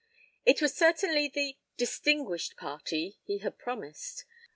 It was certainly the "distinguished party" he had promised.